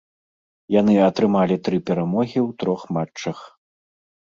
Яны атрымалі тры перамогі ў трох матчах.